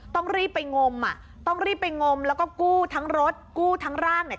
ต้องรีบไปงมอ่ะต้องรีบไปงมแล้วก็กู้ทั้งรถกู้ทั้งร่างเนี่ย